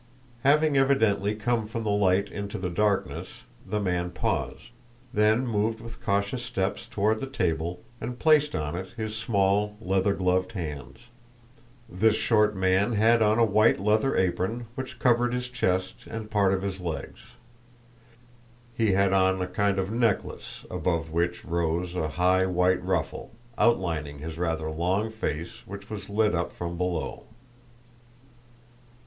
Having evidently come from the light into the darkness, the man paused, then moved with cautious steps toward the table and placed on it his small leather gloved hands. This short man had on a white leather apron which covered his chest and part of his legs; he had on a kind of necklace above which rose a high white ruffle, outlining his rather long face which was lit up from below.